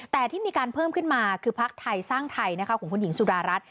แต่ที่มีการเพิ่มขึ้นมาคือพักไทยสร้างไทยของคุณหญิงสุดารัฐ